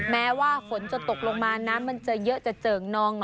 แม้ว่าฝนจะตกลงมาน้ำมันจะเยอะจะเจิ่งนอง